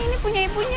ini punya ibunya